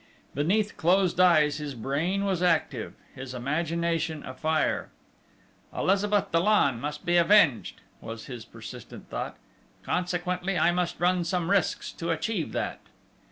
Beneath closed eyes his brain was active, his imagination afire. "Elizabeth Dollon must be avenged," was his persistent thought. "Consequently, I must run some risks to achieve that!"